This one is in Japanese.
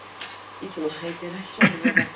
いつも履いてらっしゃる上履き。